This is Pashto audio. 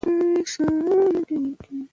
بزګان د افغانستان د سیلګرۍ یوه مهمه برخه ده.